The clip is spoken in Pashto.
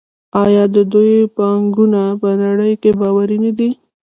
آیا د دوی بانکونه په نړۍ کې باوري نه دي؟